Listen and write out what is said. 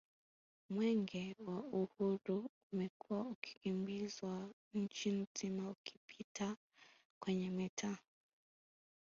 Mwenge wa Uhuru umekuwa ukikimbizwa Nchi nzima ukipita kwenye mitaa